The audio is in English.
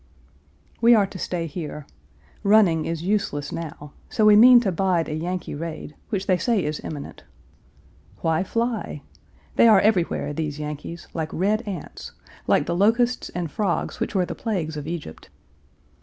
We are to stay here. Running is useless now; so we mean to bide a Yankee raid, which they say is imminent. Why fly? They are everywhere, these Yankees, like red ants, like the locusts and frogs which were the plagues of Egypt.